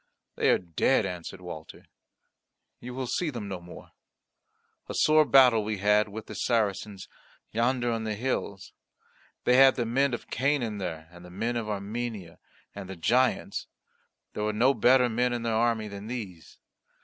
"They are dead," answered Walter; "you will see them no more. A sore battle we had with the Saracens yonder on the hills; they had the men of Canaan there and the men of Armenia and the Giants; there were no better men in their army than these.